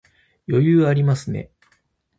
余裕ありますね